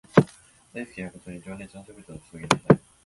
大好きなことに情熱のすべてを注ぎなさい